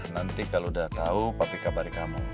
nanti kalau udah tau papi kabarin kamu